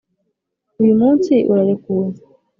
uyu munsi urarekuwe?